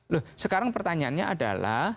loh sekarang pertanyaannya adalah